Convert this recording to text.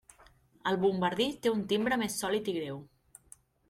El bombardí té un timbre més sòlid i greu.